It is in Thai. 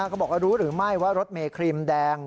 ก็บอกว่ารู้หรือไม่ว่ารถเมครีมแดง